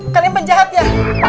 kalian penjahat ya